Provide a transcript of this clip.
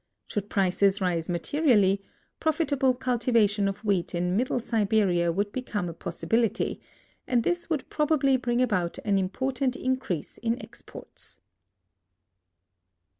Should prices rise materially, profitable cultivation of wheat in middle Siberia would become a possibility, and this would probably bring about an important increase in exports.